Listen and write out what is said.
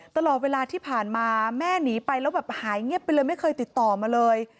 ตลอดเวลาที่ผ่านมาแม่หนีไปแล้วแบบหายเงียบไปเลยไม่เคยติดต่อมาเลย